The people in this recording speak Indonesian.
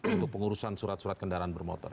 untuk pengurusan surat surat kendaraan bermotor